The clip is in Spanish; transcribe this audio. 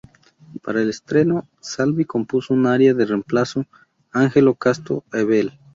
Para el estreno, Salvi compuso un aria de reemplazo, 'Angelo casto e bel'.